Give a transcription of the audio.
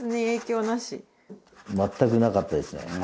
大久保：全くなかったですね。